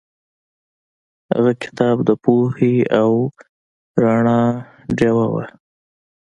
هغه کتاب د پوهې او رڼا ډیوه وه.